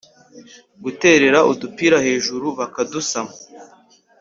guterera udupira hejuru bakadusama